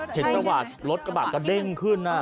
เช็คตะวัดรถกระบาดกระเด้งขึ้นน่ะ